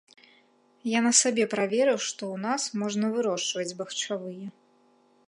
Я на сабе праверыў, што ў нас можна вырошчваць бахчавыя.